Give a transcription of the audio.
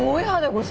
これ。